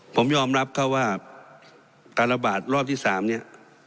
ผมยอมรับเขาว่าการระบาดรอบที่๓เนี่ย